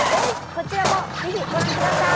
こちらも是非ご覧ください。